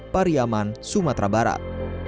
pariyaman sumatera barat